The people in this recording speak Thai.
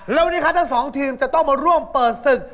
แล้ววันนี้ครับทั้งสองทีมจะต้องมาร่วมเปิดศึก